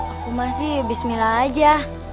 aku masih bismillah aja